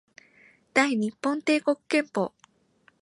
大日本帝国憲法